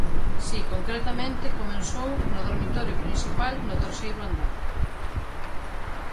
Si, concretamente comezou no dormitorio principal do terceiro andar.